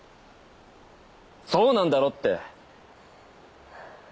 そうなんだろって！